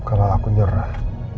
kalau aku nyerah